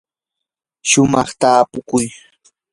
shumaq tapukuy.